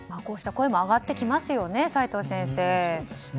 こうした声も上がってきますよね、齋藤先生。